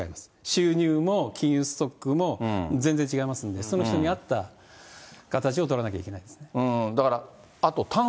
収入も金融ストックも、全然違いますんで、その人に合った形を取らなきゃいけないですね。